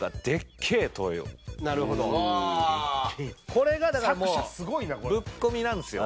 これがだからもう『特攻』なんですよ。